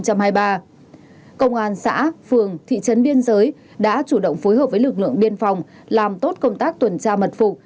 công an xã phường thị trấn biên giới đã chủ động phối hợp với lực lượng biên phòng làm tốt công tác tuần tra mật phục